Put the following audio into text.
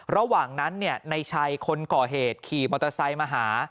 ระหว่างนั้นในชัยคนก่อเหตุขี่มอเตอร์ไซค์มาหา